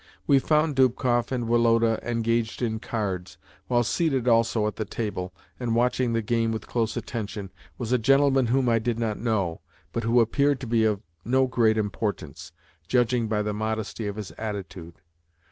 We found Dubkoff and Woloda engaged in cards, while seated also at the table, and watching the game with close attention, was a gentleman whom I did not know, but who appeared to be of no great importance, judging by the modesty of his attitude.